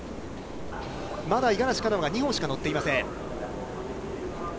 まだ五十嵐は２本しか乗っていません。